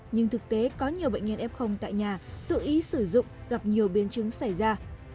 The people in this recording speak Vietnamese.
nhưng thực tế có nhiều bệnh nhân f tại nhà tự ý sử dụng gặp nhiều biến chứng xảy ra